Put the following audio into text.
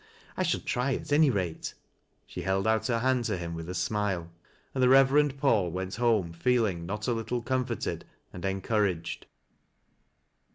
I shall try at any rate." She held out her hand to him with a smile, and the Reverend Paul went home feeling not a little comforted and en couraged.